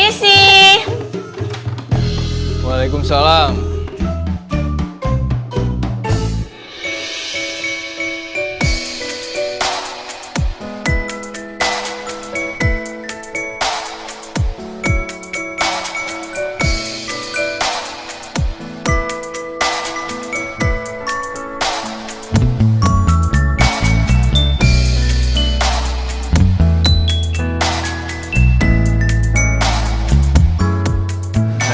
assalamualaikum warahmatullahi wabarakatuh